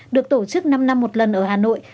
được tổ chức năm năm một lần ở hà nội